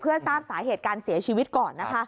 เพื่อทราบสาเหตุการเสียชีวิตก่อนนะคะ